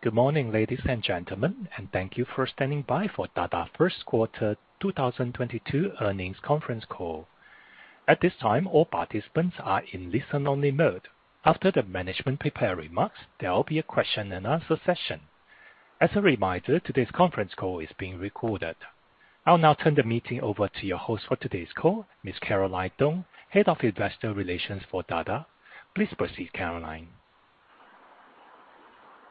Good morning, ladies and gentlemen, and thank you for standing by for Dada Q1 2022 earnings conference call. At this time, all participants are in listen-only mode. After the management prepared remarks, there will be a question and answer session. As a reminder, today's conference call is being recorded. I'll now turn the meeting over to your host for today's call, Ms. Caroline Dong, Head of Investor Relations for Dada. Please proceed, Caroline.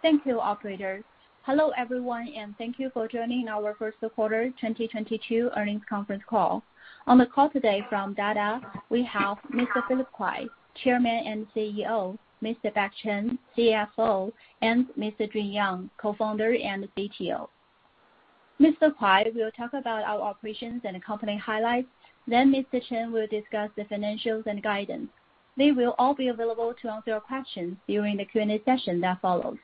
Thank you, operator. Hello, everyone, and thank you for joining our Q1 2022 earnings conference call. On the call today from Dada, we have Mr. Philip Kuai, Chairman and CEO, Mr. Beck Chen, CFO, and Mr. Jun Yang, co-founder and CTO. Mr. Kuai will talk about our operations and company highlights, then Mr. Chen will discuss the financials and guidance. They will all be available to answer your questions during the Q&A session that follows.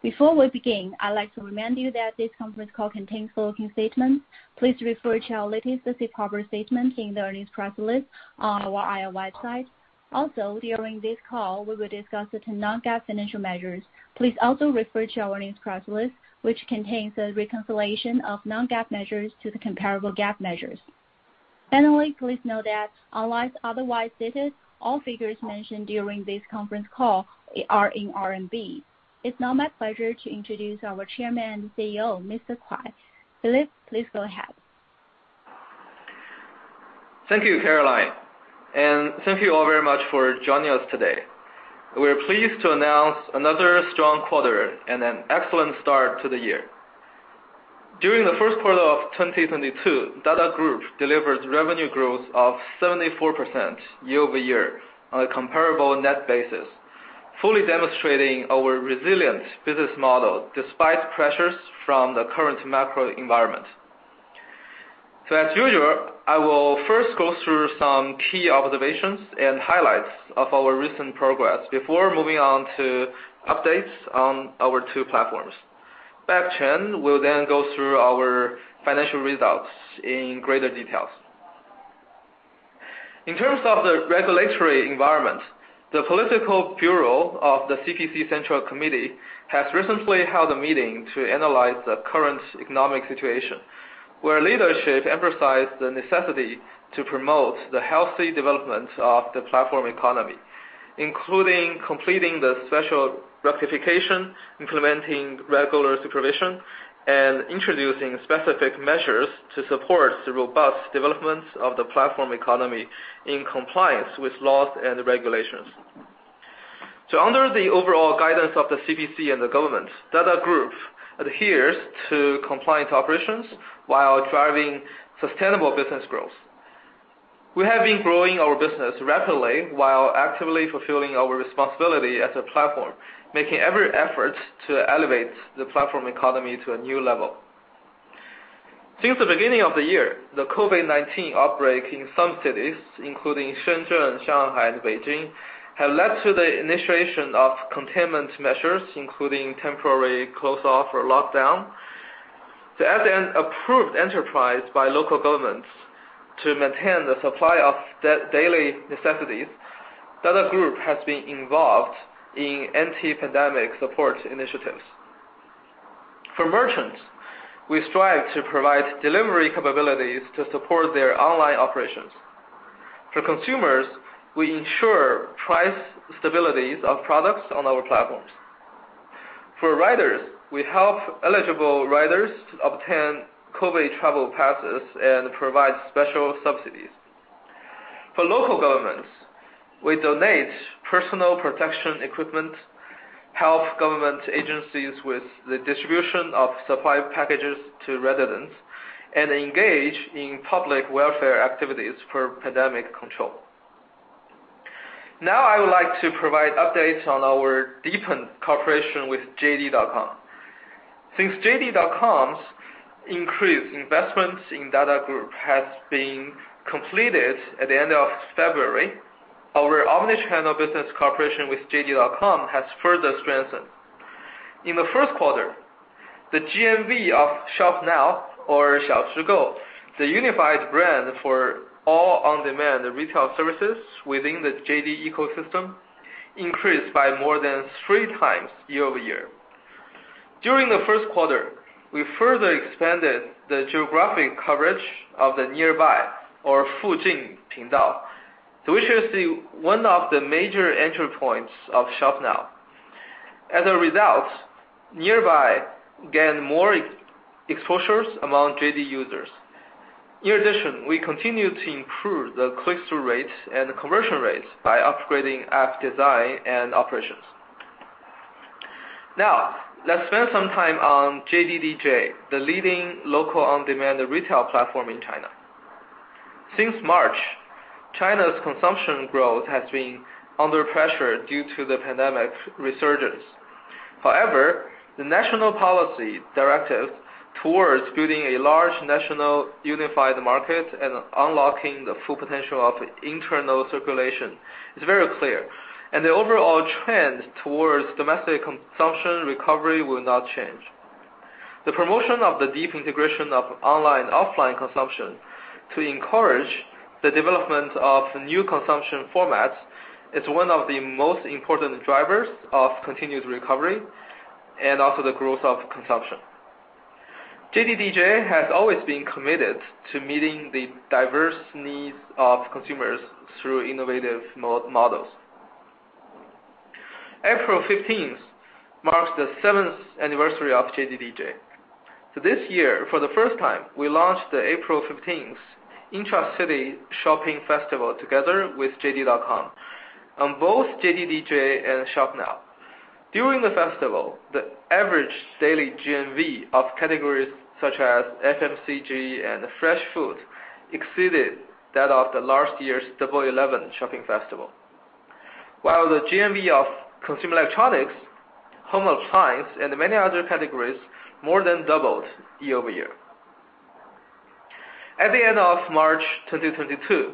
Before we begin, I'd like to remind you that this conference call contains forward-looking statements. Please refer to our latest specific forward statement in the earnings press release on our IR website. Also, during this call, we will discuss the non-GAAP financial measures. Please also refer to our earnings press release, which contains a reconciliation of non-GAAP measures to the comparable GAAP measures. Finally, please note that unless otherwise stated, all figures mentioned during this conference call are in RMB. It's now my pleasure to introduce our chairman and CEO, Mr. Kuai. Philip, please go ahead. Thank you, Caroline, and thank you all very much for joining us today. We are pleased to announce another strong quarter and an excellent start to the year. During the Q1 of 2022, Dada Group delivered revenue growth of 74% year-over-year on a comparable net basis, fully demonstrating our resilient business model despite pressures from the current macro environment. As usual, I will first go through some key observations and highlights of our recent progress before moving on to updates on our two platforms. Beck Chen will then go through our financial results in greater details. In terms of the regulatory environment, the political bureau of the CPC Central Committee has recently held a meeting to analyze the current economic situation, where leadership emphasized the necessity to promote the healthy development of the platform economy, including completing the special rectification, implementing regular supervision, and introducing specific measures to support the robust development of the platform economy in compliance with laws and regulations. Under the overall guidance of the CPC and the government, Dada Group adheres to compliant operations while driving sustainable business growth. We have been growing our business rapidly while actively fulfilling our responsibility as a platform, making every effort to elevate the platform economy to a new level. Since the beginning of the year, the COVID-19 outbreak in some cities, including Shenzhen, Shanghai, and Beijing, have led to the initiation of containment measures, including temporary close off or lockdown. As an approved enterprise by local governments to maintain the supply of daily necessities, Dada Group has been involved in anti-pandemic support initiatives. For merchants, we strive to provide delivery capabilities to support their online operations. For consumers, we ensure price stability of products on our platforms. For riders, we help eligible riders to obtain COVID travel passes and provide special subsidies. For local governments, we donate personal protection equipment, help government agencies with the distribution of supply packages to residents, and engage in public welfare activities for pandemic control. Now, I would like to provide updates on our deepened cooperation with JD.com. Since JD.com's increased investments in Dada Group has been completed at the end of February, our omni-channel business cooperation with JD.com has further strengthened. In the Q1, the GMV of ShopNow or Xiaoshigou, the unified brand for all on-demand retail services within the JD ecosystem, increased by more than three times year-over-year. During the Q1, we further expanded the geographic coverage of the Nearby or Fujin Pingdao, which is one of the major entry points of ShopNow. As a result, Nearby gained more exposures among JD users. In addition, we continue to improve the click-through rates and conversion rates by upgrading app design and operations. Now, let's spend some time on JDDJ, the leading local on-demand retail platform in China. Since March, China's consumption growth has been under pressure due to the pandemic resurgence. However, the national policy directive towards building a large national unified market and unlocking the full potential of internal circulation is very clear, and the overall trend towards domestic consumption recovery will not change. The promotion of the deep integration of online offline consumption to encourage the development of new consumption formats is one of the most important drivers of continued recovery and also the growth of consumption. JDDJ has always been committed to meeting the diverse needs of consumers through innovative models. April fifteenth marks the seventh anniversary of JDDJ. This year, for the first time, we launched the April fifteenth Intra-City Shopping Festival together with JD.com on both JDDJ and Shop Now. During the festival, the average daily GMV of categories such as FMCG and fresh food exceeded that of the last year's Double Eleven shopping festival. While the GMV of consumer electronics, home appliance, and many other categories more than doubled year-over-year. At the end of March 2022,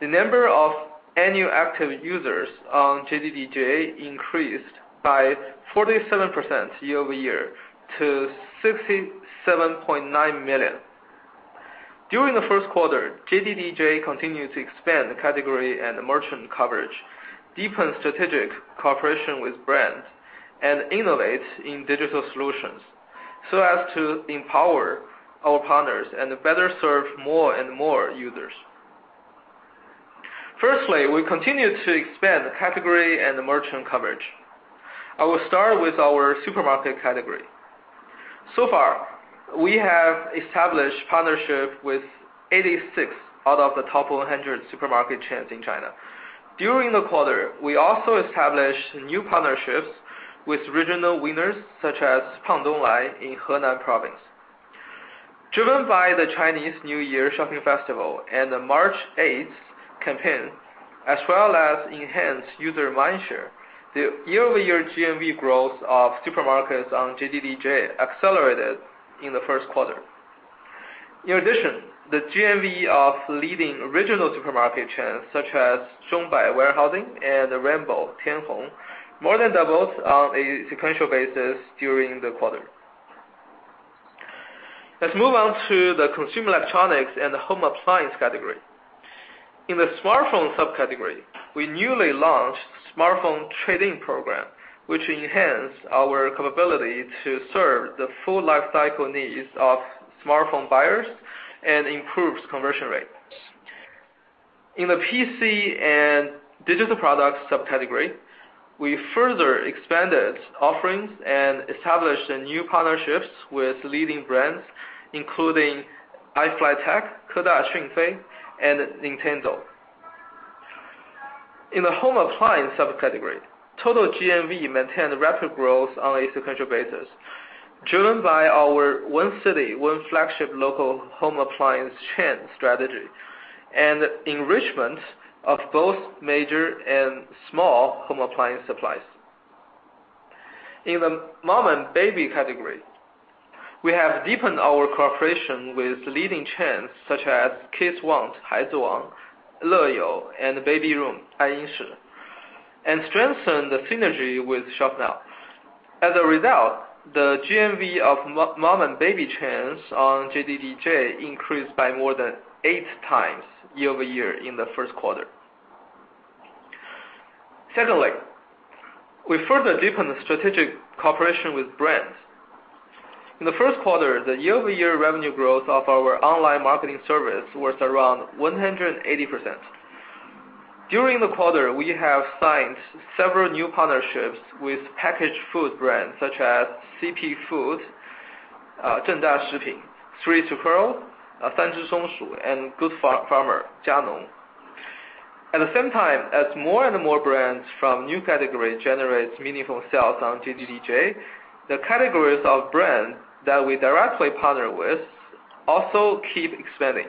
the number of annual active users on JDDJ increased by 47% year-over-year to 67.9 million. During the Q1, JDDJ continued to expand the category and the merchant coverage, deepen strategic cooperation with brands, and innovate in digital solutions so as to empower our partners and better serve more and more users. Firstly, we continue to expand the category and the merchant coverage. I will start with our supermarket category. So far, we have established partnership with 86 out of the top 100 supermarket chains in China. During the quarter, we also established new partnerships with regional winners such as Pang Donglai in Henan province. Driven by the Chinese New Year shopping festival and the March 8th campaign, as well as enhanced user mind share, the year-over-year GMV growth of supermarkets on JDDJ accelerated in the Q1. In addition, the GMV of leading regional supermarket chains such as Zhongbai and Rainbow (Tianhong) more than doubled on a sequential basis during the quarter. Let's move on to the consumer electronics and the home appliance category. In the smartphone sub-category, we newly launched smartphone trade-in program, which enhanced our capability to serve the full life cycle needs of smartphone buyers and improves conversion rate. In the PC and digital products sub-category, we further expanded offerings and established new partnerships with leading brands, including iFLYTEK and Nintendo. In the home appliance sub-category, total GMV maintained rapid growth on a sequential basis, driven by our one city, one flagship local home appliance chain strategy and enrichment of both major and small home appliance supplies. In the mom and baby category, we have deepened our cooperation with leading chains such as Kidswant and Babyland, and strengthened the synergy with Shop Now. As a result, the GMV of mom and baby chains on JDDJ increased by more than eight times year-over-year in the Q1. Secondly, we further deepen the strategic cooperation with brands. In the Q1, the year-over-year revenue growth of our online marketing service was around 180%. During the quarter, we have signed several new partnerships with packaged food brands such as CP Foods, Three Squirrels, and Goodfarmer. At the same time, as more and more brands from new categories generates meaningful sales on JDDJ, the categories of brands that we directly partner with also keep expanding.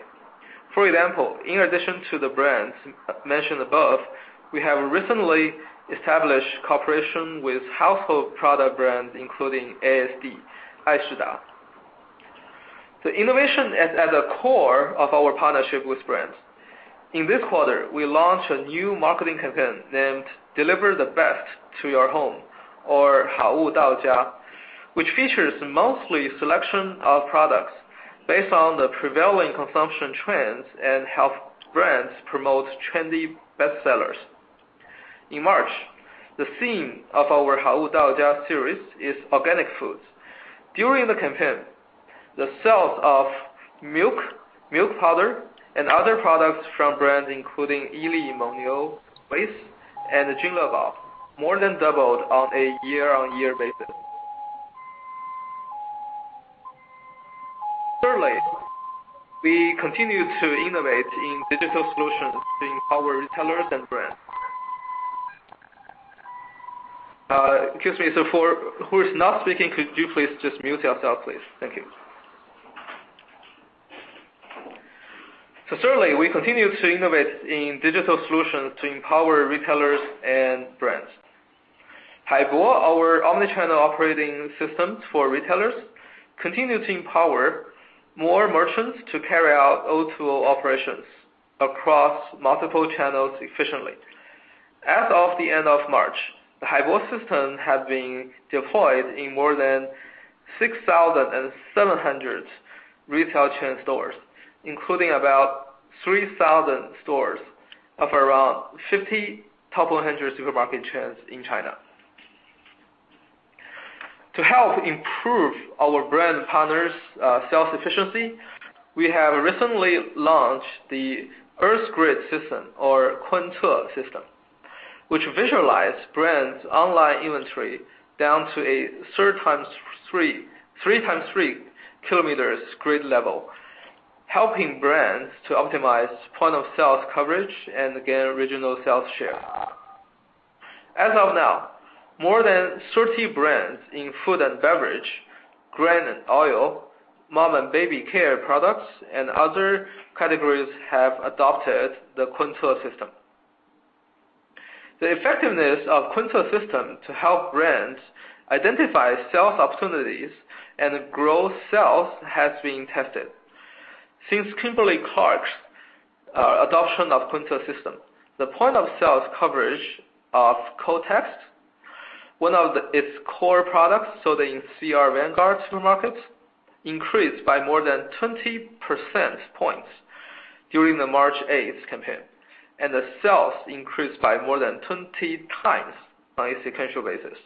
For example, in addition to the brands mentioned above, we have recently established cooperation with household product brands, including ASD. The innovation is at the core of our partnership with brands. In this quarter, we launched a new marketing campaign named Deliver the Best to Your Home, or, which features mostly selection of products based on the prevailing consumption trends and help brands promote trendy best sellers. In March, the theme of our series is organic foods. During the campaign, the sales of milk powder, and other products from brands including Yili, Mengniu, and Junlebao more than doubled on a year-on-year basis. Thirdly, we continue to innovate in digital solutions to empower retailers and brands. Excuse me, for who is not speaking, could you please just mute yourself, please? Thank you. Certainly, we continue to innovate in digital solutions to empower retailers and brands. Haibo, our omni-channel operating systems for retailers, continue to empower more merchants to carry out O2O operations across multiple channels efficiently. As of the end of March, the Haibo system has been deployed in more than 6,700 retail chain stores, including about 3,000 stores of around 50 top 100 supermarket chains in China. To help improve our brand partners', sales efficiency, we have recently launched the Earth Grid System or Kunce system, which visualize brands' online inventory down to a 3x3-kilometers grid level, helping brands to optimize point of sales coverage and gain original sales share. As of now, more than 30 brands in food and beverage, grain and oil, mom and baby care products, and other categories have adopted the Kunce system. The effectiveness of Kunce system to help brands identify sales opportunities and grow sales has been tested. Since Kimberly-Clark's adoption of Kunce system, the point of sales coverage of Kotex, one of its core products sold in CR Vanguard supermarkets, increased by more than 20 percentage points during the March 8th campaign, and the sales increased by more than 20 times on a sequential basis.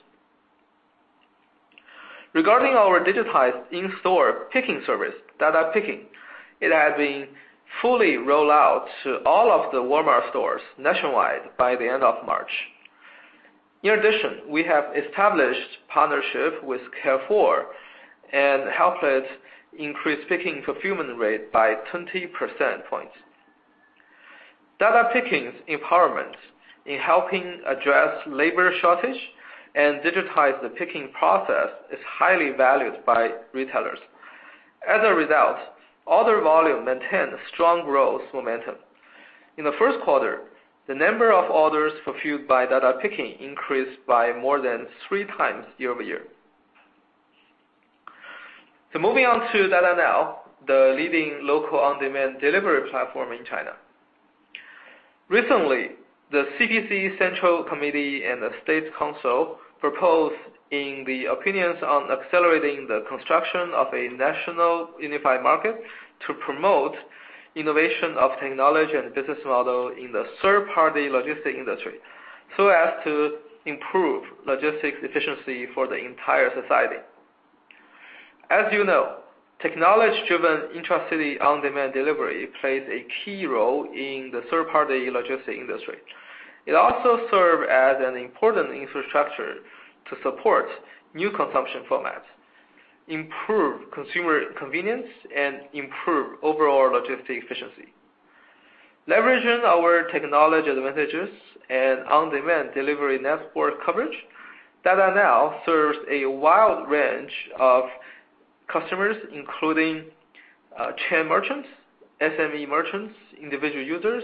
Regarding our digitized in-store picking service, Dada Picking, it has been fully rolled out to all of the Walmart stores nationwide by the end of March. In addition, we have established partnership with Carrefour and helped it increase picking fulfillment rate by 20 percentage points. Dada Picking's empowerment in helping address labor shortage and digitize the picking process is highly valued by retailers. As a result, order volume maintained strong growth momentum. In the Q1, the number of orders fulfilled by Dada Picking increased by more than 3 times year-over-year. Moving on to Dada Now, the leading local on-demand delivery platform in China. Recently, the CPC Central Committee and the State Council proposed in the opinions on accelerating the construction of a national unified market to promote innovation of technology and business model in the third-party logistics industry, so as to improve logistics efficiency for the entire society. As you know, technology-driven intracity on-demand delivery plays a key role in the third-party logistics industry. It also serve as an important infrastructure to support new consumption formats, improve consumer convenience, and improve overall logistics efficiency. Leveraging our technology advantages and on-demand delivery network coverage, Dada Now serves a wide range of customers, including chain merchants, SME merchants, individual users,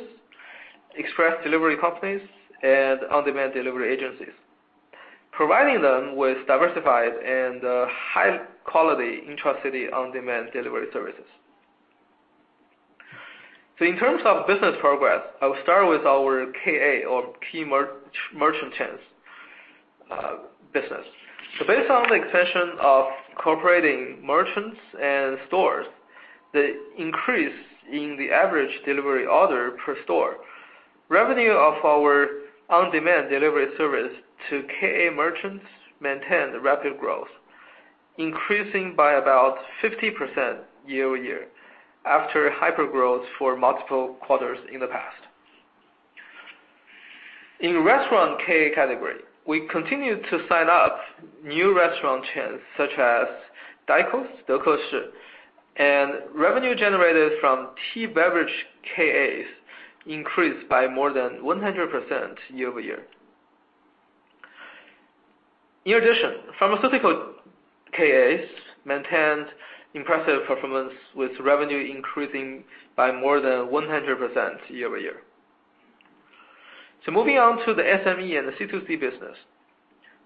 express delivery companies, and on-demand delivery agencies. Providing them with diversified and high quality intra-city on-demand delivery services. In terms of business progress, I'll start with our KA or key merchant chains business. Based on the expansion of cooperating merchants and stores, the increase in the average delivery order per store, revenue of our on-demand delivery service to KA merchants maintained rapid growth, increasing by about 50% year-over-year after hypergrowth for multiple quarters in the past. In restaurant KA category, we continued to sign up new restaurant chains such as Dicos, KFC. Revenue generated from key beverage KAs increased by more than 100% year-over-year. In addition, pharmaceutical KAs maintained impressive performance with revenue increasing by more than 100% year-over-year. Moving on to the SME and the C2C business.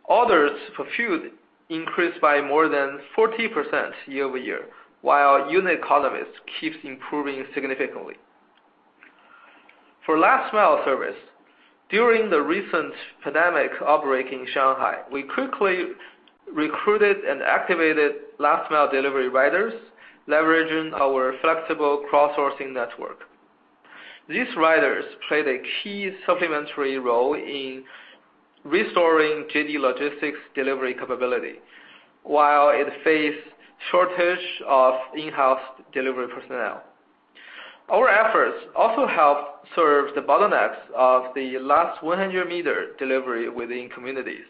Orders fulfilled increased by more than 40% year-over-year, while unit economics keeps improving significantly. For last mile service, during the recent pandemic outbreak in Shanghai, we quickly recruited and activated last mile delivery riders, leveraging our flexible crowdsourcing network. These riders played a key supplementary role in restoring JD Logistics' delivery capability, while it faced shortage of in-house delivery personnel. Our efforts also helped serve the bottlenecks of the last 100-meter delivery within communities,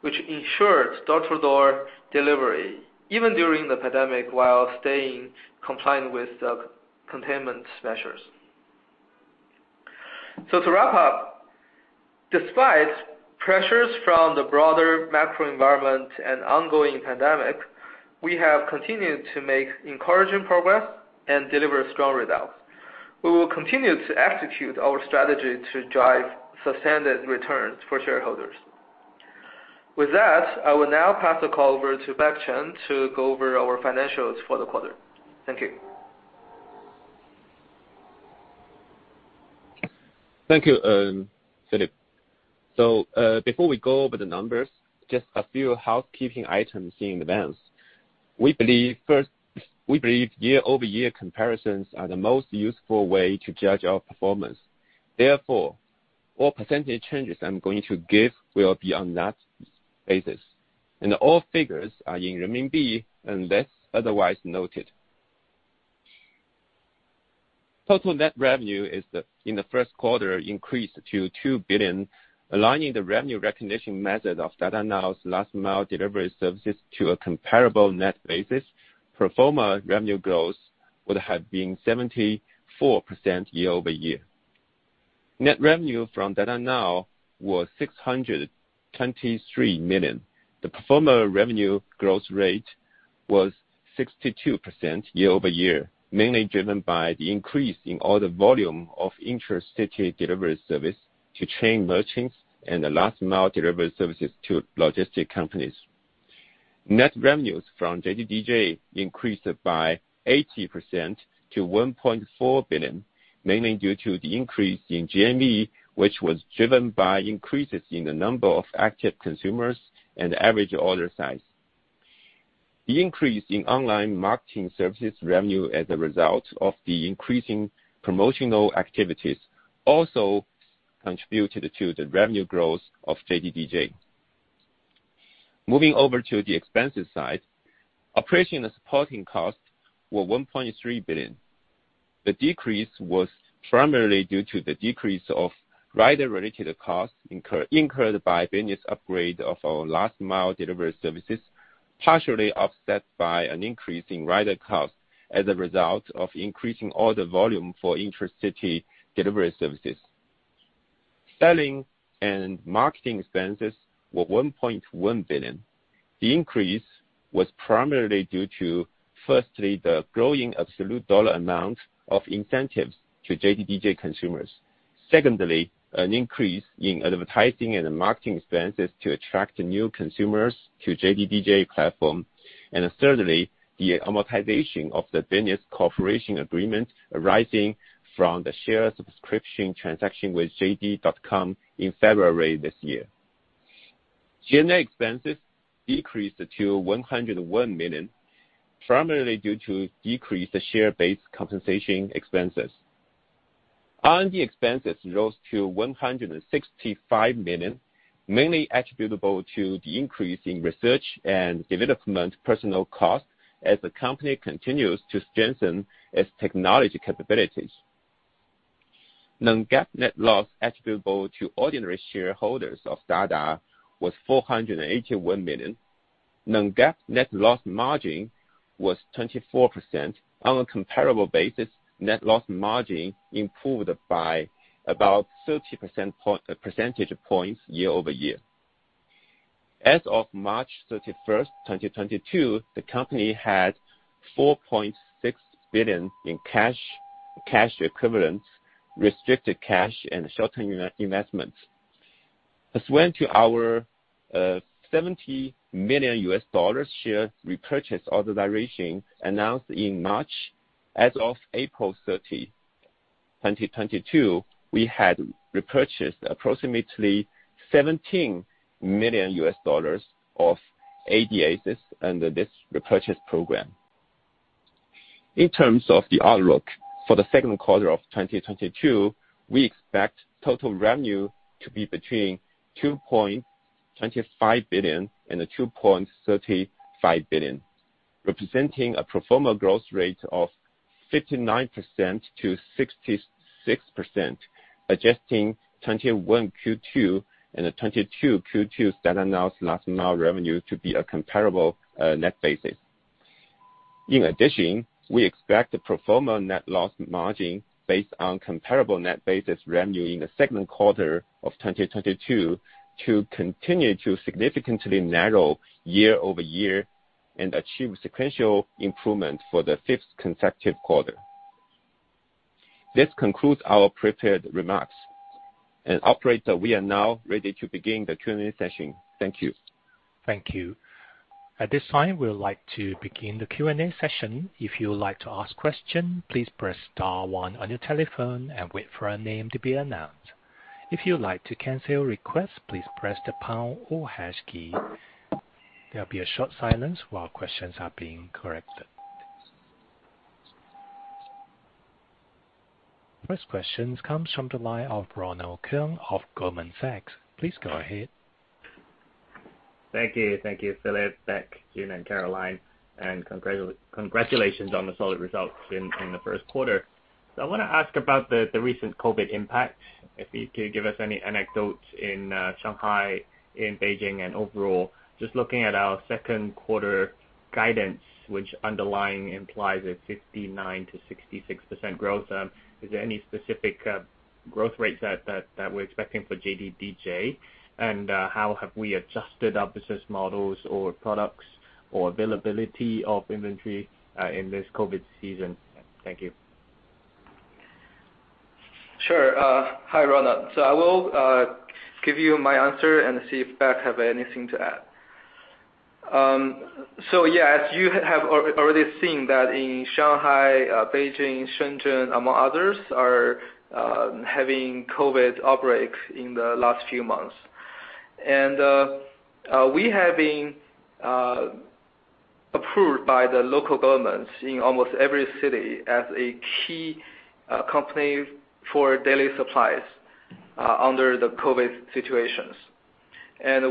which ensured door-to-door delivery even during the pandemic while staying compliant with the containment measures. To wrap up, despite pressures from the broader macro environment and ongoing pandemic, we have continued to make encouraging progress and deliver strong results. We will continue to execute our strategy to drive sustained returns for shareholders. With that, I will now pass the call over to Beck Chen to go over our financials for the quarter. Thank you. Thank you, Philip. Before we go over the numbers, just a few housekeeping items in advance. We believe, first, year-over-year comparisons are the most useful way to judge our performance. Therefore, all percentage changes I'm going to give will be on that basis. All figures are in renminbi, unless otherwise noted. Total net revenue in the Q1 increased to 2 billion, aligning the revenue recognition method of Dada Now's last mile delivery services to a comparable net basis. Pro forma revenue growth would have been 74% year-over-year. Net revenue from Dada Now was 623 million. The pro forma revenue growth rate was 62% year-over-year, mainly driven by the increase in order volume of intra-city delivery service to chain merchants and the last mile delivery services to logistics companies. Net revenues from JDDJ increased by 80% to 1.4 billion, mainly due to the increase in GMV, which was driven by increases in the number of active consumers and average order size. The increase in online marketing services revenue as a result of the increasing promotional activities also contributed to the revenue growth of JDDJ. Moving over to the expenses side, operation and supporting costs were 1.3 billion. The decrease was primarily due to the decrease of rider-related costs incurred by business upgrade of our last mile delivery services, partially offset by an increase in rider costs as a result of increasing order volume for intracity delivery services. Selling and marketing expenses were 1.1 billion. The increase was primarily due to, firstly, the growing absolute dollar amount of incentives to JDDJ consumers. Secondly, an increase in advertising and marketing expenses to attract new consumers to JDDJ platform. Thirdly, the amortization of the business cooperation agreement arising from the share subscription transaction with JD.com in February this year. G&A expenses decreased to 101 million, primarily, due to decreased share-based compensation expenses. R&D expenses rose to 165 million, mainly attributable to the increase in research and development personnel costs as the company continues to strengthen its technology capabilities. Non-GAAP net loss attributable to ordinary shareholders of Dada was 481 million. Non-GAAP net loss margin was 24%. On a comparable basis, net loss margin improved by about 30 percentage points year-over-year. As of March 31, 2022, the company had 4.6 billion in cash equivalents, restricted cash and short-term investments. As with our $70 million share repurchase authorization announced in March. As of April 30, 2022, we had repurchased approximately $17 million of ADSs under this repurchase program. In terms of the outlook for the Q2 of 2022, we expect total revenue to be between 2.25 billion and 2.35 billion, representing a pro forma growth rate of 59%-66%, adjusting 2021 Q2 and the 2022 Q2 Dada Now's last mile revenue to be a comparable net basis. In addition, we expect the pro forma net loss margin based on comparable net basis revenue in the Q2 of 2022 to continue to significantly narrow year-over-year and achieve sequential improvement for the fifth consecutive quarter. This concludes our prepared remarks. Operator we are now ready to begin the Q&A session. Thank you. Thank you. At this time, we would like to begin the Q&A session. If you would like to ask question, please press star one on your telephone and wait for a name to be announced. If you would like to cancel request, please press the pound or hash key. There will be a short silence while questions are being collected. First questions comes from the line of Ronald Keung of Goldman Sachs. Please go ahead. Thank you. Thank you, Philip, Beck, June, and Caroline. Congratulations on the solid results in the Q1. I wanna ask about the recent COVID impact. If you could give us any anecdotes in Shanghai, in Beijing, and overall. Just looking at our Q2 guidance, which underlying implies a 59%-66% growth. Is there any specific growth rates that we're expecting for JDDJ? How have we adjusted our business models or products or availability of inventory in this COVID season? Thank you. Sure. Hi, Ronald. I will give you my answer and see if Beck have anything to add. Yeah, as you have already seen that in Shanghai, Beijing, Shenzhen, among others, are having COVID outbreaks in the last few months. We have been approved by the local governments in almost every city as a key company for daily supplies under the COVID situations.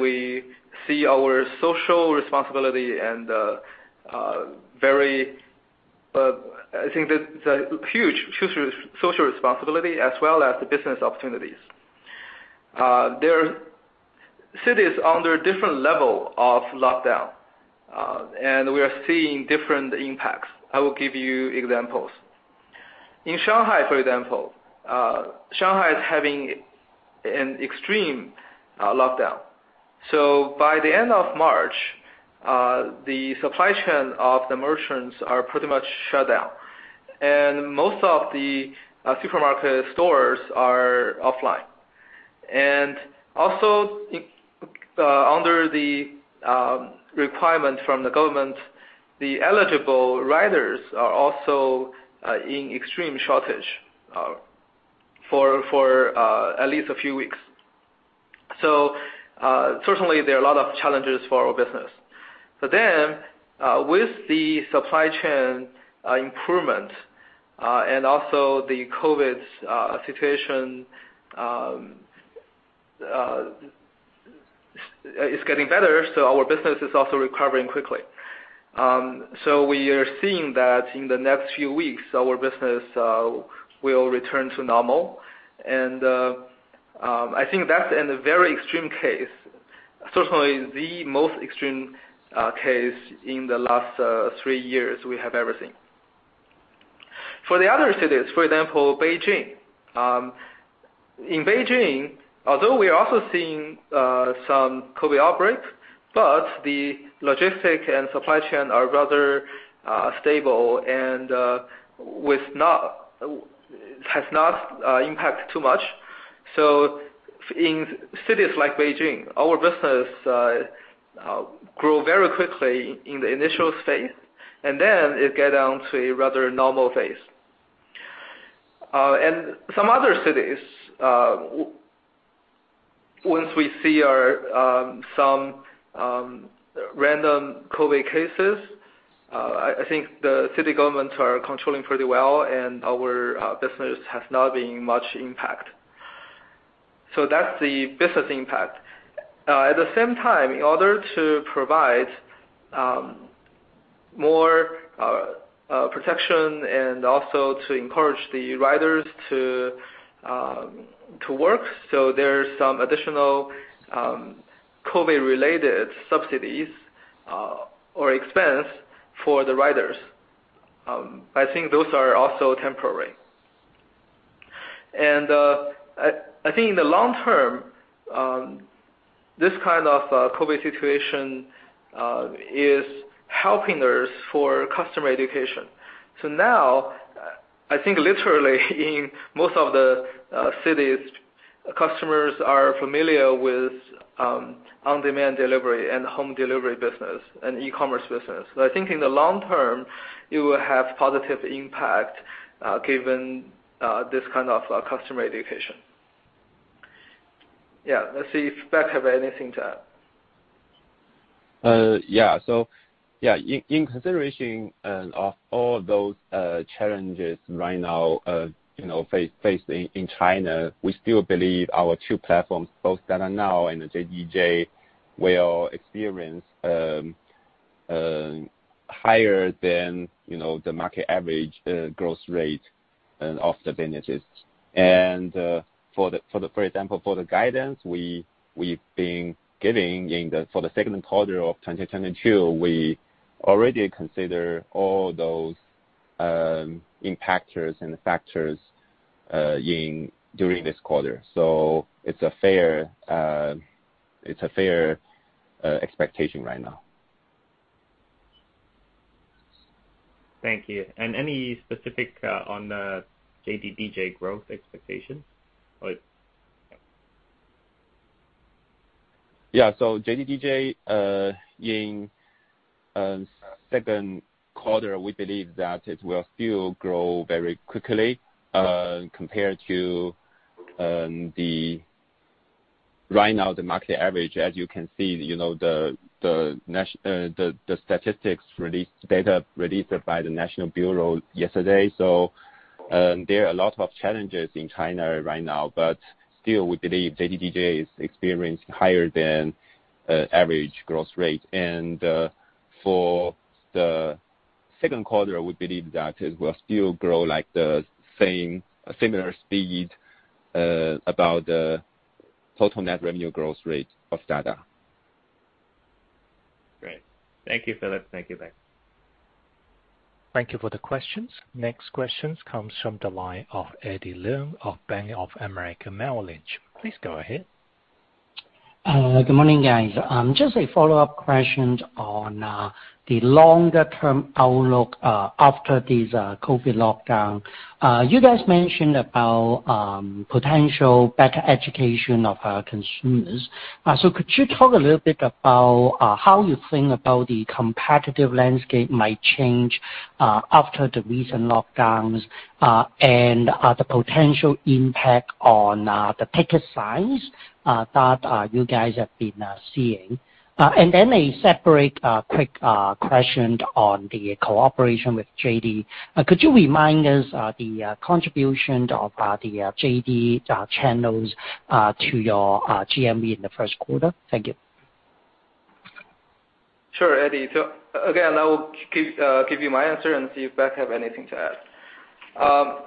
We see our social responsibility and very... I think the huge social responsibility as well as the business opportunities. There are cities under different level of lockdown, and we are seeing different impacts. I will give you examples. In Shanghai, for example, Shanghai is having an extreme lockdown. So by the end of March, the supply chain of the merchants are pretty much shut down. Most of the supermarket stores are offline. Under the requirement from the government, the eligible riders are also in extreme shortage for at least a few weeks. Certainly there are a lot of challenges for our business. With the supply chain improvement and also the COVID situation is getting better, so our business is also recovering quickly. We are seeing that in the next few weeks, our business will return to normal. I think that's in a very extreme case, certainly the most extreme case in the last three years we have ever seen. For the other cities, for example, Beijing. In Beijing, although we are also seeing some COVID outbreaks, but the logistics and supply chain are rather stable and has not impacted too much. In cities like Beijing, our business grow very quickly in the initial phase, and then it get down to a rather normal phase. Some other cities, once we see some random COVID cases, I think the city governments are controlling pretty well, and our business has not been much impacted. That's the business impact. At the same time, in order to provide more protection and also to encourage the riders to work, there is some additional COVID-related subsidies or expenses for the riders. I think those are also temporary. I think in the long term, this kind of COVID situation is helping us for customer education. Now, I think literally in most of the cities, customers are familiar with on-demand delivery and home delivery business and e-commerce business. I think in the long term, it will have positive impact, given this kind of customer education. Yeah. Let's see if Beck have anything to add. In consideration of all those challenges right now, you know, facing in China, we still believe our two platforms, both Dada Now and JDDJ, will experience higher than the market average growth rate and of the benefits. For example, for the guidance we have been giving for the Q2 of 2022, we already consider all those impactors and factors during this quarter. So it's a fair expectation right now. Thank you. Any specific on JDDJ growth expectations or? Yeah. JDDJ in Q2, we believe that it will still grow very quickly compared to the market average right now, as you can see, you know, the data released by the National Bureau yesterday. There are a lot of challenges in China right now, but still we believe JDDJ is experiencing higher than average growth rate. For the Q2, we believe that it will still grow like the same similar speed about the total net revenue growth rate of Dada. Great. Thank you, Philip. Thank you, Beck. Thank you for the questions. Next questions comes from the line of Eddie Leung of Bank of America Merrill Lynch. Please go ahead. Good morning, guys. Just a follow-up question on the longer term outlook after this COVID lockdown. You guys mentioned about potential better education of our consumers. Could you talk a little bit about how you think about the competitive landscape might change after the recent lockdowns and the potential impact on the ticket size that you guys have been seeing? Then a separate quick question on the cooperation with JD. Could you remind us the contribution of the JD channels to your GMV in the Q1? Thank you. Sure, Eddie. Again, I will give you my answer and see if Beck have anything to add.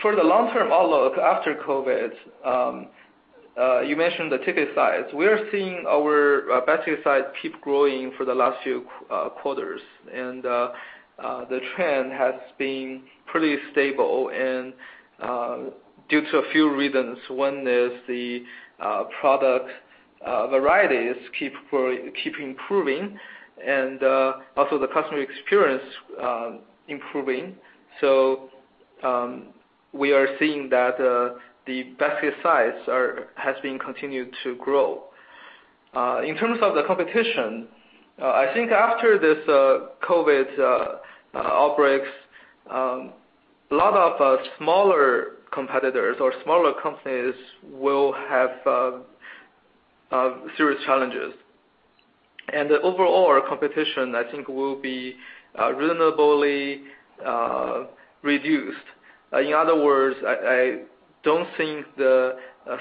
For the long term outlook after COVID, you mentioned the ticket size. We're seeing our basket size keep growing for the last few quarters. The trend has been pretty stable and due to a few reasons. One is the product varieties keep improving and also the customer experience improving. We are seeing that the basket size has continued to grow. In terms of the competition, I think after this COVID outbreaks, a lot of smaller competitors or smaller companies will have serious challenges. The overall competition, I think will be reasonably reduced. In other words, I don't think the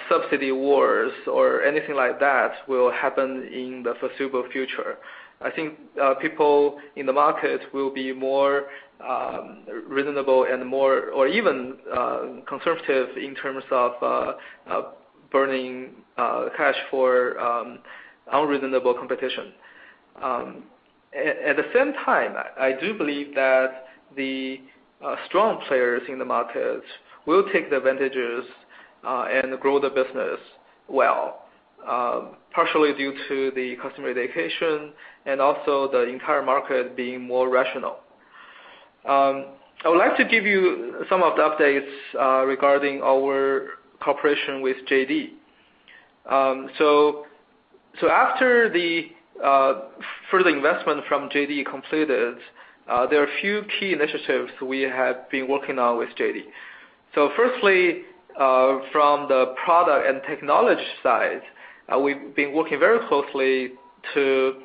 subsidy wars or anything like that will happen in the foreseeable future. I think people in the market will be more reasonable and more or even conservative in terms of burning cash for unreasonable competition. At the same time, I do believe that the strong players in the market will take the advantages and grow the business well, partially due to the customer education and also the entire market being more rational. I would like to give you some of the updates regarding our cooperation with JD. After the further investment from JD completed, there are few key initiatives we have been working on with JD. Firstly, from the product and technology side, we have been working very closely to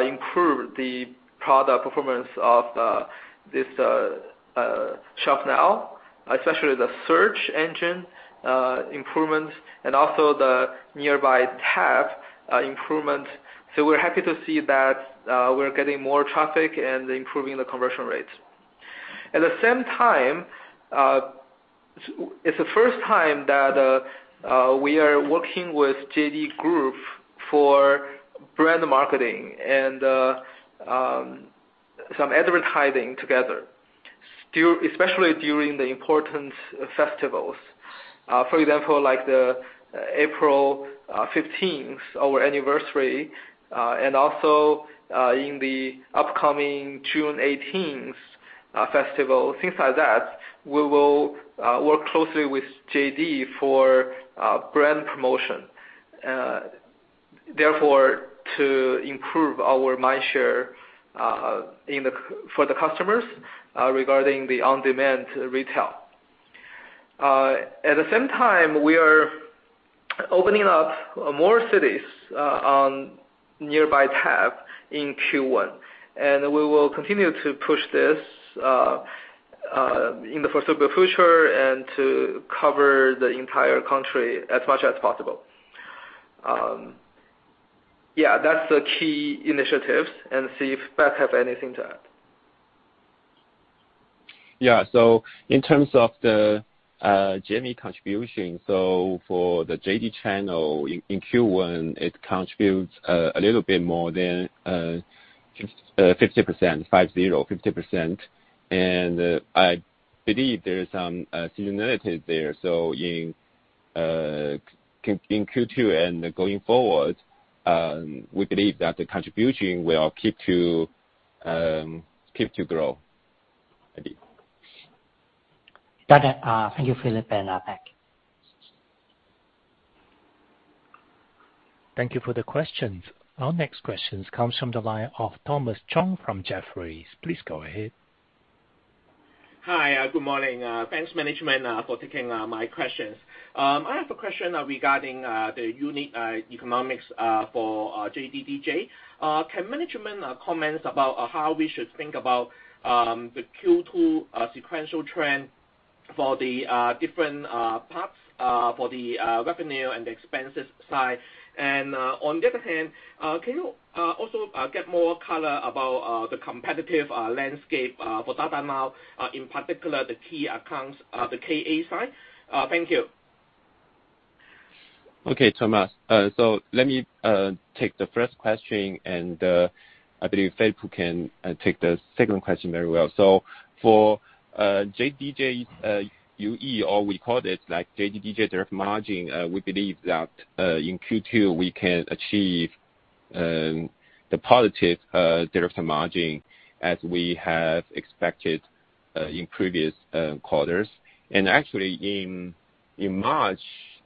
improve the product performance of this ShopNow, especially the search engine improvements and also the Nearby tab improvement. We are happy to see that we're getting more traffic and improving the conversion rates. At the same time, it's the first time that we are working with JD.com for brand marketing and some advertising together, still, especially during the important festivals. For example, like the April 15th, our anniversary, and also in the upcoming June 18th's festival, things like that. We will work closely with JD for brand promotion, therefore, to improve our mindshare among the customers regarding the on-demand retail. At the same time, we are opening up more cities, on Nearby tab in Q1, and we will continue to push this, in the foreseeable future and to cover the entire country as much as possible. Yeah, that's the key initiatives and see if Beck have anything to add. Yeah. In terms of the GMV contribution, for the JD channel in Q1, it contributes a little bit more than 50%. I believe there is some seasonality there. In Q2 and going forward, we believe that the contribution will keep to grow. Eddie? Got it. Thank you, Philip and Beck. Thank you for the questions. Our next question comes from the line of Thomas Chong from Jefferies. Please go ahead. Hi. Good morning. Thanks management for taking my questions. I have a question regarding the unique economics for JDDJ. Can management comment about how we should think about the Q2 sequential trend for the different parts for the revenue and expenses side? On the other hand, can you also get more color about the competitive landscape for Dada Now, in particular, the key accounts, the KA side? Thank you. Okay, Thomas. So let me take the first question, and I believe Philip can take the second question very well. For JDDJ UE, or we call it like JDDJ direct margin, we believe that in Q2, we can achieve the positive direct margin as we have expected in previous quarters. Actually in March,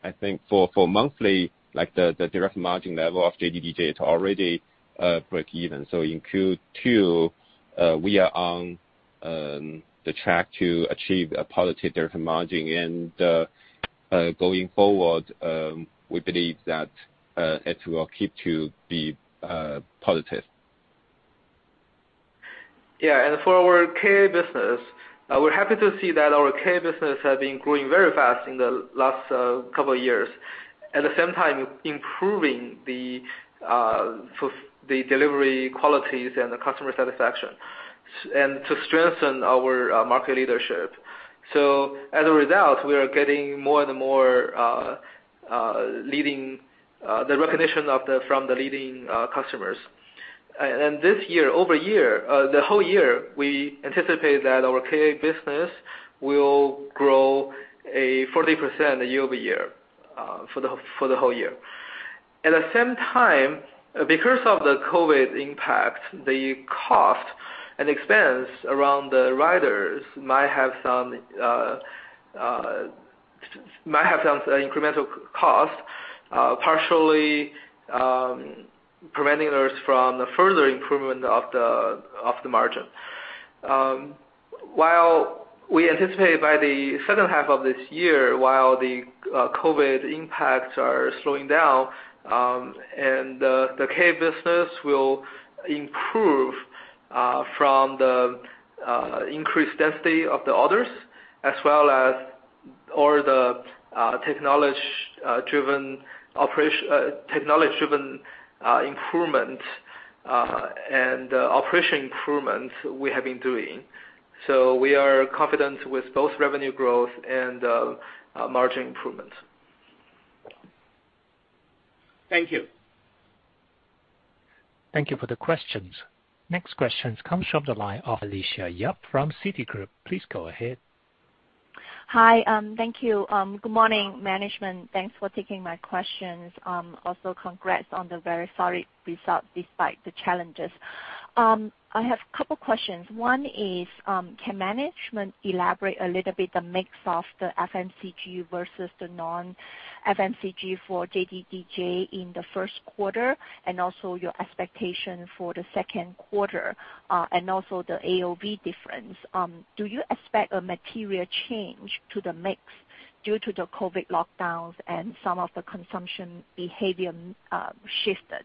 I think for monthly, like the direct margin level of JDDJ, it's already breakeven. In Q2, we are on the track to achieve a positive direct margin. Going forward, we believe that it will keep to be positive. Yeah. For our KA business, we're happy to see that our KA business have been growing very fast in the last couple of years, at the same time improving the delivery qualities and the customer satisfaction and to strengthen our market leadership. As a result, we are getting more and more recognition from the leading customers. This year-over-year, the whole year, we anticipate that our KA business will grow 40% year-over-year for the whole year. At the same time, because of the COVID impact, the cost and expense around the riders might have some incremental cost, partially preventing us from the further improvement of the margin. While we anticipate by the second half of this year the COVID impacts are slowing down, and the KA business will improve from the increased density of the orders as well as all the technology-driven improvement and operation improvements we have been doing. We are confident with both revenue growth and margin improvement. Thank you. Thank you for the questions. Next questions comes from the line of Alicia Yap from Citigroup. Please go ahead. Hi. Thank you. Good morning management. Thanks for taking my questions. Also congrats on the very solid result despite the challenges. I have a couple questions. One is, can management elaborate a little bit the mix of the FMCG versus the non-FMCG for JDDJ in the Q1 and also your expectation for the Q2, and also the AOV difference? Do you expect a material change to the mix due to the COVID lockdowns and some of the consumption behavior shifted?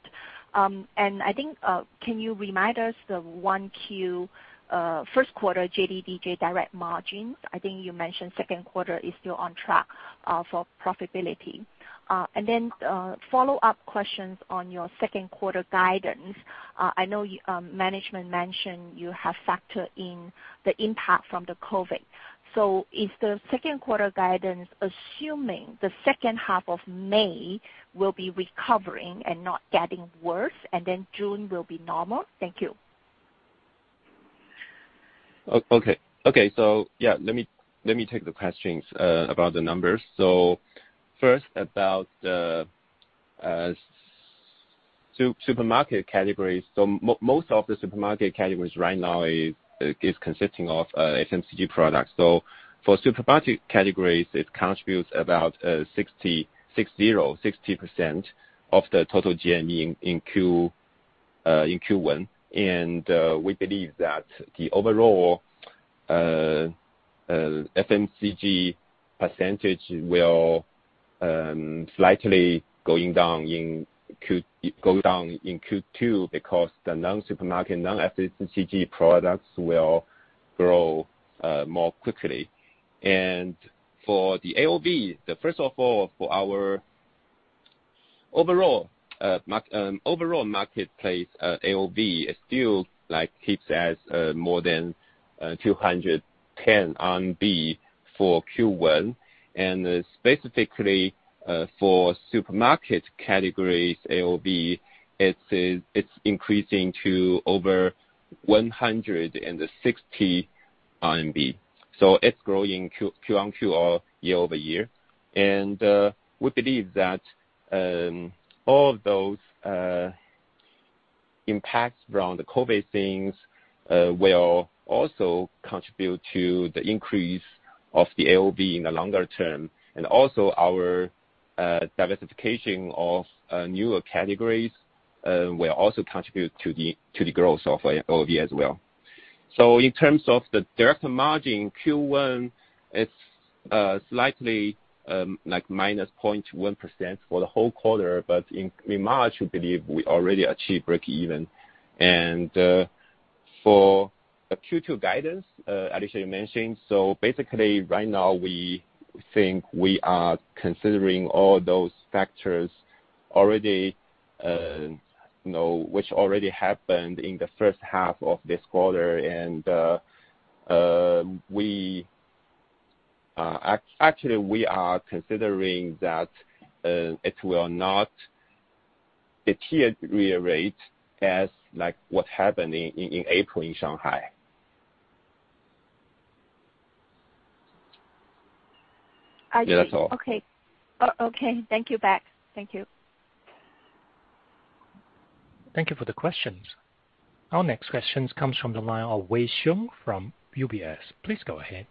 I think, can you remind us the 1Q, Q1 JDDJ direct margins? I think you mentioned Q2 is still on track for profitability. Follow-up questions on your Q2 guidance. I know management mentioned you have factored in the impact from the COVID. Is the Q2 guidance assuming the second half of May will be recovering and not getting worse, and then June will be normal? Thank you. Okay. Yeah, let me take the questions about the numbers. First, about the supermarket categories. Most of the supermarket categories right now is consisting of FMCG products. For supermarket categories, it contributes about 60% of the total GMV in Q1. We believe that the overall FMCG percentage will slightly going down in Q2 because the non-supermarket, non-FMCG products will grow more quickly. For the AOV, first of all, for our overall marketplace AOV is still like keeps as more than 210 RMB for Q1. Specifically, for supermarket categories AOV it is increasing to over 160 RMB. It's growing Q-Q or year-over-year. We believe that all of those impacts around the COVID things will also contribute to the increase of the AOV in the longer term. Also our diversification of newer categories will also contribute to the growth of AOV as well. In terms of the direct margin, Q1 is slightly like minus 0.1% for the whole quarter, but in March, we believe we already achieved breakeven. For the Q2 guidance, Alicia, you mentioned, so basically right now we think we are considering all those factors already, you know, which already happened in the first half of this quarter. Actually we are considering that it will not deteriorate as like what happened in April in Shanghai. I see. Yeah, that's all. Okay. Thank you, Beck. Thank you. Thank you for the questions. Our next question comes from the line of Wei Sheng from UBS. Please go ahead.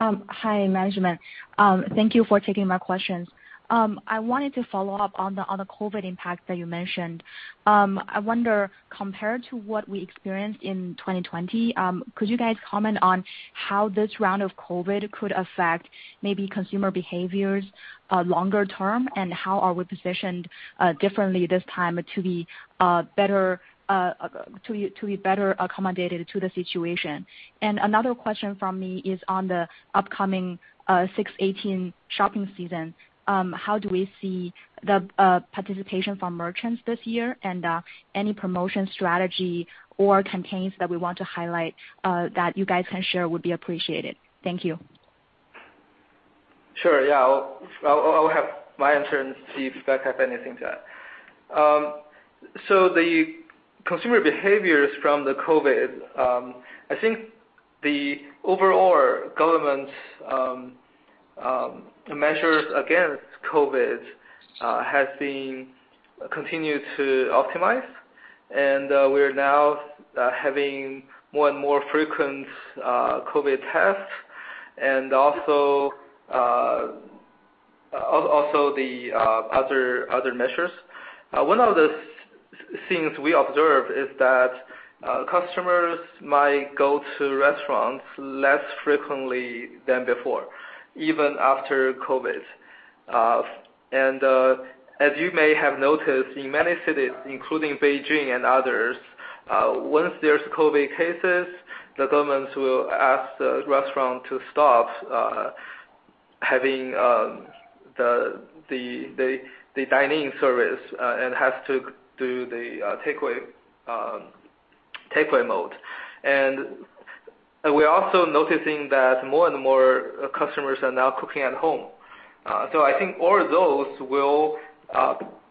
Hi, management. Thank you for taking my questions. I wanted to follow up on the COVID impact that you mentioned. I wonder, compared to what we experienced in 2020, could you guys comment on how this round of COVID could affect maybe consumer behaviors longer term, and how are we positioned differently this time to be better accommodated to the situation? Another question from me is on the upcoming 618 shopping season. How do we see the participation from merchants this year and any promotion strategy or campaigns that we want to highlight that you guys can share would be appreciated. Thank you. Sure. Yeah. I'll have my answer and see if Beck have anything to add. So the consumer behaviors from the COVID, I think the overall government measures against COVID has been continued to optimize. We are now having more and more frequent COVID tests and also the other measures. One of the things we observed is that customers might go to restaurants less frequently than before, even after COVID. As you may have noticed, in many cities, including Beijing and others, once there is COVID cases, the governments will ask the restaurant to stop having the dine-in service and has to do the takeaway mode. We're also noticing that more and more customers are now cooking at home. I think all those will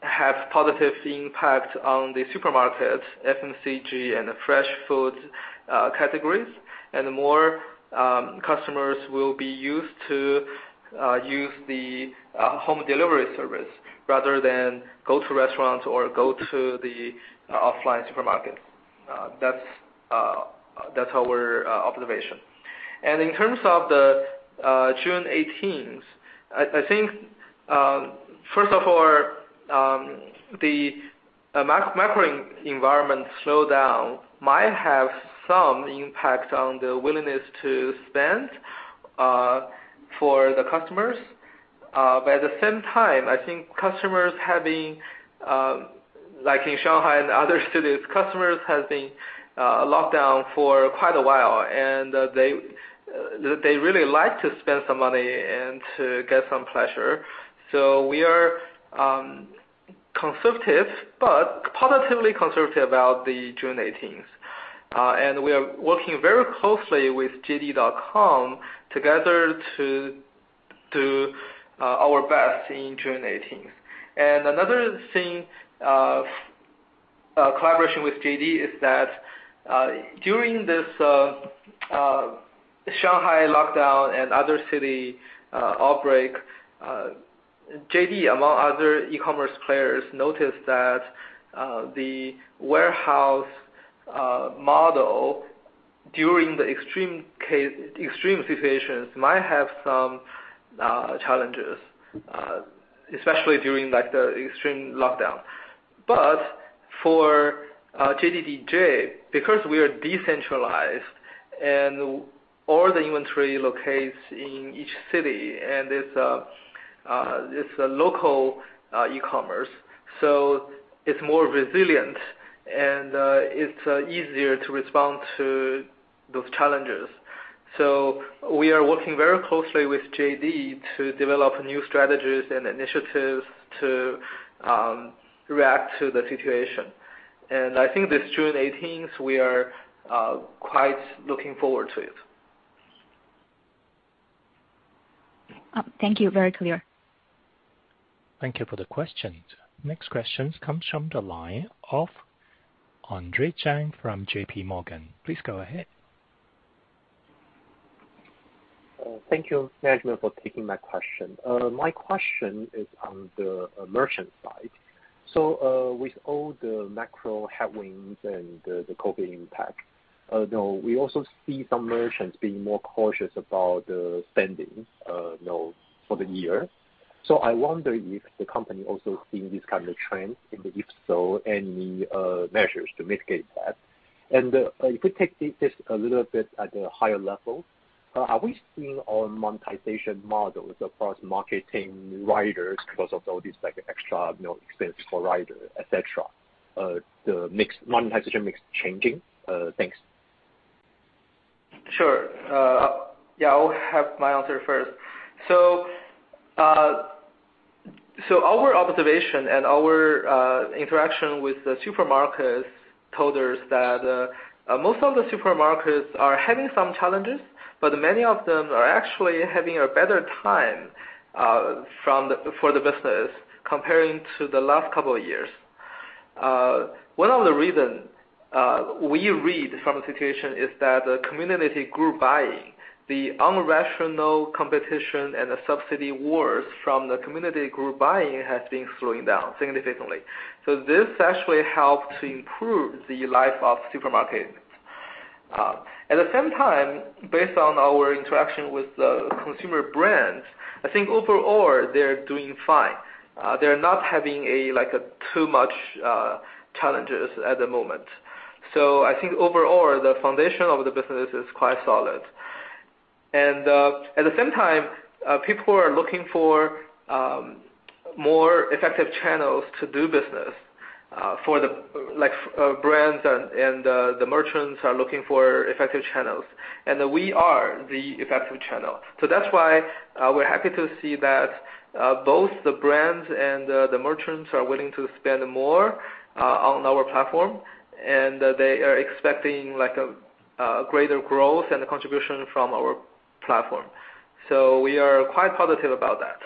have positive impact on the supermarket, FMCG, and the fresh foods categories. More customers will be used to use the home delivery service rather than go to restaurants or go to the offline supermarket. That's our observation. In terms of the June 18th, I think, first of all, the macro environment slowdown might have some impact on the willingness to spend for the customers. At the same time, I think customers having, like in Shanghai and other cities, customers have been locked down for quite a while, and they really like to spend some money and to get some pleasure. We are conservative, but positively conservative about the June 18th. We are working very closely with JD.com together to do our best in June 18. Another thing, collaboration with JD is that, during this Shanghai lockdown and other city outbreak, JD, among other e-commerce players, noticed that the warehouse model during the extreme situations might have some challenges, especially during, like, the extreme lockdown. But for JDDJ, because we are decentralized and all the inventory locates in each city and it's a local e-commerce, so it's more resilient and it's easier to respond to those challenges. We are working very closely with JD to develop new strategies and initiatives to react to the situation. I think this June 18, we are quite looking forward to it. Thank you. Very clear. Thank you for the questions. Next questions comes from the line of Andre Chang from J.P. Morgan. Please go ahead. Thank you, management, for taking my question. My question is on the merchant side. With all the macro headwinds and the COVID impact, though we also see some merchants being more cautious about spending, you know, for the year. I wonder if the company also seeing this kind of trend, and if so, any measures to mitigate that. If we take this a little bit at a higher level, are we seeing our monetization models across marketing riders because of all these, like, extra, you know, expense for rider, et cetera, the monetization mix changing? Thanks. Sure. Yeah, I'll have my answer first. Our observation and our interaction with the supermarkets told us that most of the supermarkets are having some challenges, but many of them are actually having a better time for the business comparing to the last couple of years. One of the reason we read from the situation is that the community group buying, the irrational competition and the subsidy wars from the community group buying has been slowing down significantly. This actually helped to improve the life of supermarket. At the same time, based on our interaction with the consumer brands, I think overall they're doing fine. They are not having a like a too much challenges at the moment. I think overall the foundation of the business is quite solid. At the same time, people are looking for more effective channels to do business for the like brands and the merchants are looking for effective channels. And we are the effective channel. That's why we are happy to see that both the brands and the merchants are willing to spend more on our platform, and they are expecting like a greater growth and contribution from our platform. We are quite positive about that.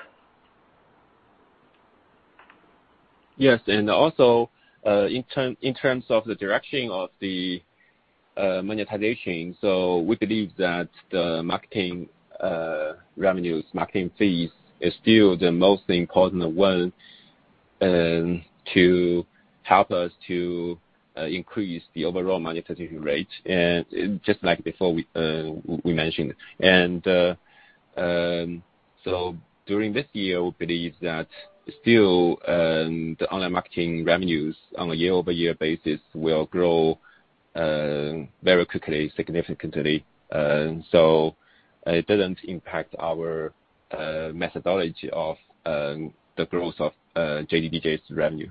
Yes. Also, in terms of the direction of the monetization. We believe that the marketing revenues, marketing fees is still the most important one to help us to increase the overall monetization rate. Just like before we mentioned. During this year, we believe that still the online marketing revenues on a year-over-year basis will grow very quickly, significantly. It doesn't impact our methodology of the growth of JDDJ's revenue.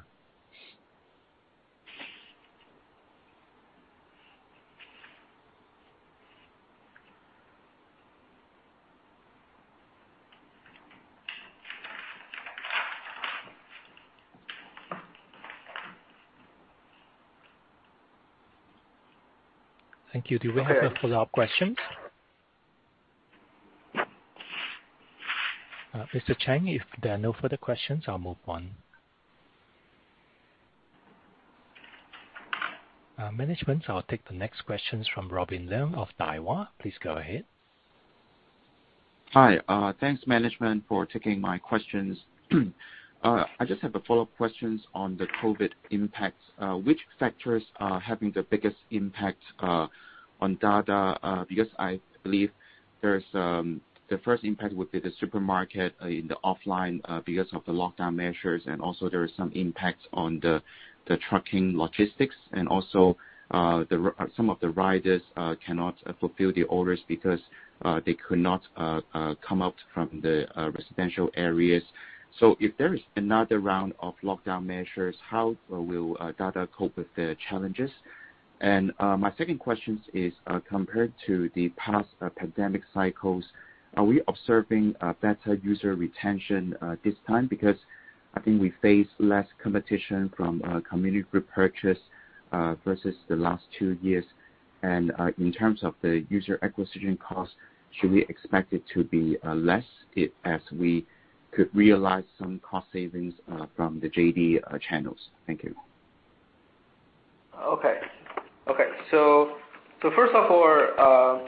Thank you. Okay. Do we have a follow-up questions? Mr. Chang, if there are no further questions, I'll move on. Management, I'll take the next questions from Robin Leung of Daiwa. Please go ahead. Hi. Thanks management for taking my questions. I just have a follow-up questions on the COVID impact. Which sectors are having the biggest impact on Dada? Because I believe there's the first impact would be the supermarket in the offline because of the lockdown measures, and also there is some impact on the trucking logistics. Some of the riders cannot fulfill the orders because they could not come out from the residential areas. If there is another round of lockdown measures, how will Dada cope with the challenges? My second questions is compared to the past pandemic cycles, are we observing better user retention this time? Because I think we face less competition from community group purchase versus the last two years. In terms of the user acquisition cost, should we expect it to be less as we could realize some cost savings from the JD channels? Thank you. First of all,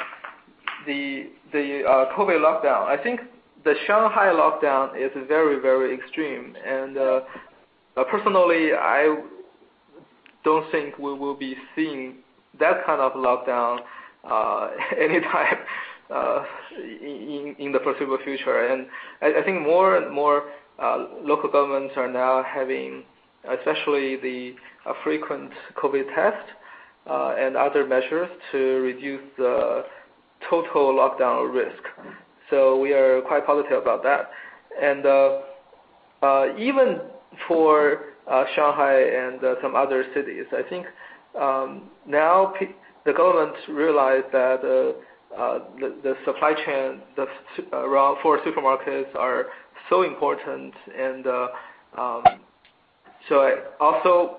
the COVID lockdown. I think the Shanghai lockdown is very, very extreme. Personally, I don't think we will be seeing that kind of lockdown anytime in the foreseeable future. I think more and more local governments are now having, especially the frequent COVID test, and other measures to reduce the total lockdown risk. We are quite positive about that. Even for Shanghai and some other cities, I think now the government realize that the supply chain, the route for supermarkets are so important. I also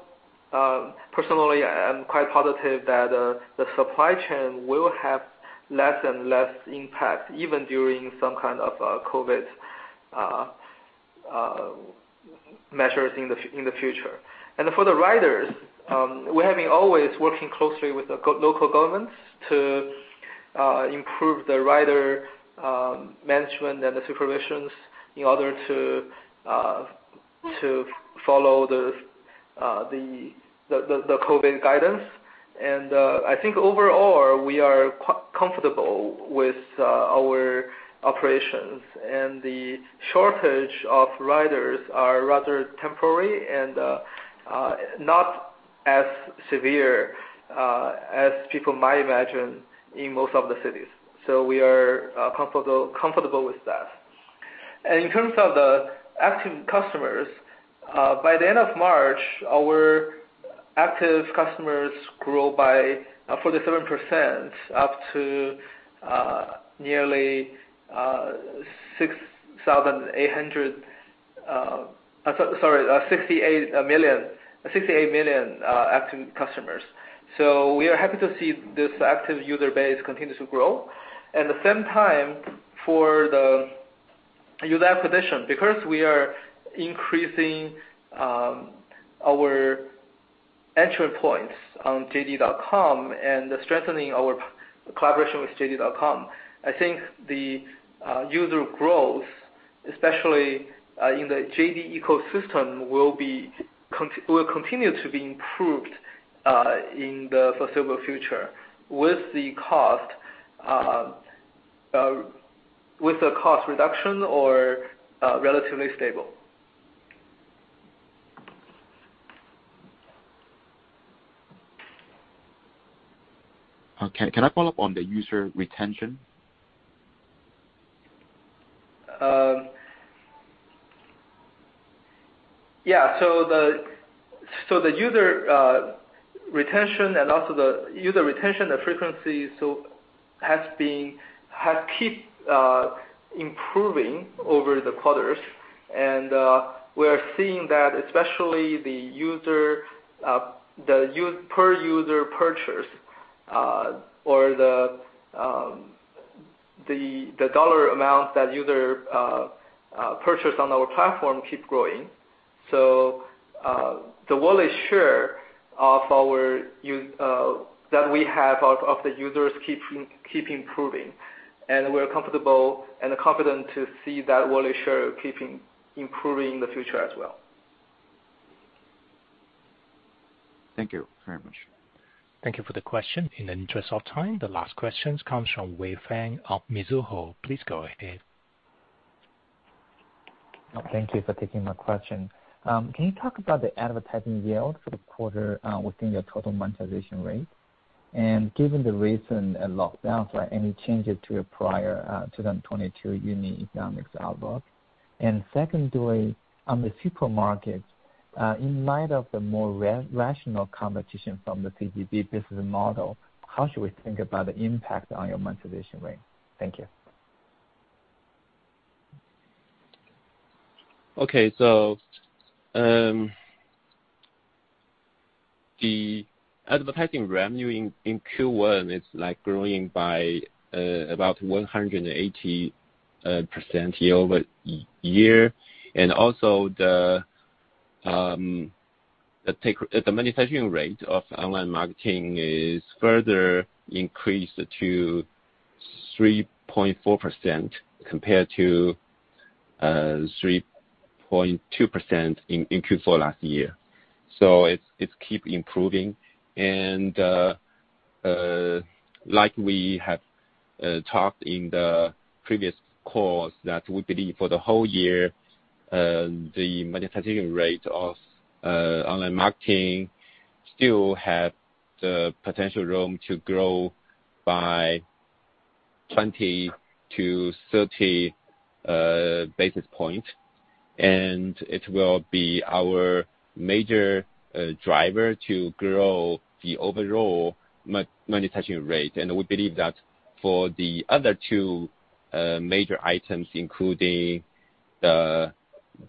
personally am quite positive that the supply chain will have less and less impact even during some kind of COVID measures in the future. For the riders, we are having always working closely with the local governments to improve the rider management and the supervisions in order to follow the COVID guidance. I think overall we are comfortable with our operations. The shortage of riders are rather temporary and not as severe as people might imagine in most of the cities. We are comfortable with that. In terms of the active customers, by the end of March, our active customers grew by 47%, up to nearly 68 million active customers. We are happy to see this active user base continue to grow. At the same time, for the- Use that position because we are increasing our entry points on JD.com and strengthening our collaboration with JD.com. I think the user growth, especially, in the JD ecosystem, will continue to be improved in the foreseeable future with the cost reduction or relatively stable. Okay. Can I follow up on the user retention? The user retention and frequency has been keeping improving over the quarters. We are seeing that especially the per user purchase or the dollar amount that user purchase on our platform keep growing. The wallet share that we have of our users keep improving. And we are comfortable and confident to see that wallet share keeping improving in the future as well. Thank you very much. Thank you for the question. In the interest of time, the last questions comes from Wei Fang of Mizuho. Please go ahead. Thank you for taking my question. Can you talk about the advertising yield for the quarter within your total monetization rate? Given the recent lockdowns, are any changes to your prior 2022 unit economics outlook. Secondly, on the supermarket, in light of the more rational competition from the CGP business model, how should we think about the impact on your monetization rate? Thank you. Okay. The advertising revenue in Q1 is like growing by about 180% year-over-year. Also the monetization rate of online marketing is further increased to 3.4% compared to 3.2% in Q4 last year. It keep improving. Like we have talked in the previous calls that we believe for the whole year the monetization rate of online marketing still have the potential room to grow by 20-30 basis point. It will be our major driver to grow the overall monetization rate. We believe that for the other two major items, including the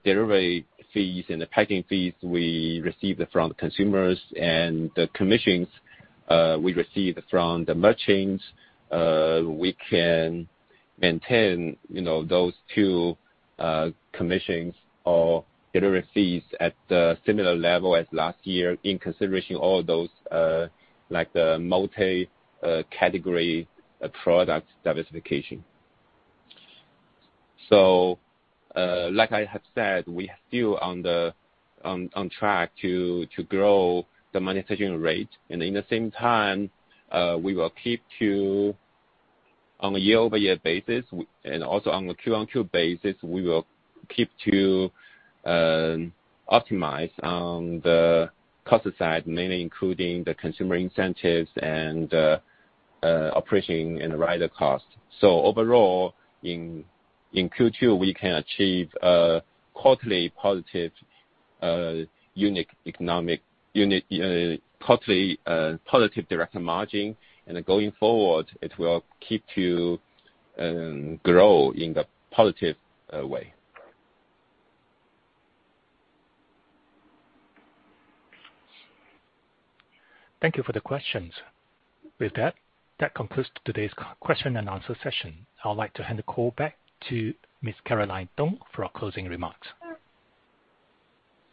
delivery fees and the packing fees we received from consumers and the commissions we received from the merchants, we can maintain, you know, those two commissions or delivery fees at the similar level as last year in consideration all those, like the multi-category product diversification. Like I have said, we are still on track to grow the monetization rate. At the same time, we will keep to on a year-over-year basis, and also on the Q-on-Q basis, we will keep to optimize on the cost side, mainly including the consumer incentives and operating and rider costs. Overall, in Q2, we can achieve a quarterly positive unit economics, quarterly positive direct margin. Going forward, it will keep you grow in the positive way. Thank you for the questions. With that concludes today's question and answer session. I'd like to hand the call back to Miss Caroline Dong for our closing remarks.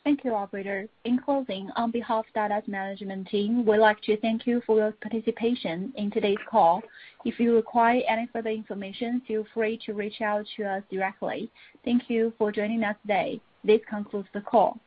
Thank you, operator. In closing, on behalf of Dada's management team, we'd like to thank you for your participation in today's call. If you require any further information, feel free to reach out to us directly. Thank you for joining us today. This concludes the call.